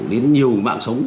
đến nhiều người mạng sống